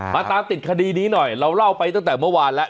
มาตามติดคดีนี้หน่อยเราเล่าไปตั้งแต่เมื่อวานแล้ว